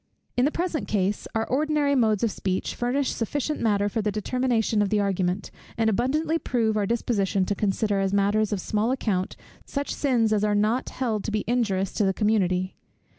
In the present case, our ordinary modes of speech furnish sufficient matter for the determination of the argument; and abundantly prove our disposition to consider as matters of small account, such sins as are not held to be injurious to the community.